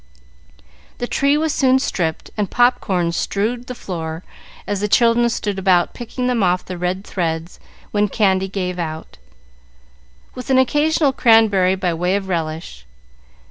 The tree was soon stripped, and pop corns strewed the floor as the children stood about picking them off the red threads when candy gave out, with an occasional cranberry by way of relish.